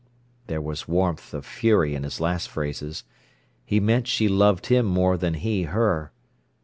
There was warmth of fury in his last phrases. He meant she loved him more than he her.